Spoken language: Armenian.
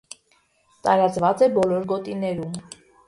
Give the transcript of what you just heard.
Տարածված է բոլոր գոտիներում։